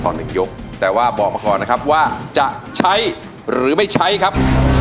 หนึ่งยกแต่ว่าบอกมาก่อนนะครับว่าจะใช้หรือไม่ใช้ครับ